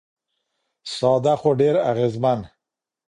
ساده خو ډېر اغېزمن.